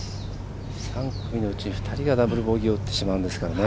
３組のうち２人がダブルボギーを打ってしまうんですね。